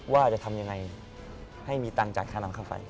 ว่าจะทำยังไงให้มีตังค์จากข้างน้ำเข้าไป